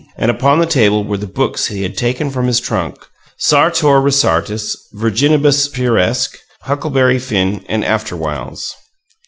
And upon a table were the books he had taken from his trunk: Sartor Resartus, Virginibus Puerisque, Huckleberry Finn, and Afterwhiles.